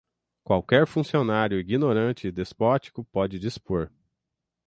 qualquer funcionário ignorante e despótico pode dispor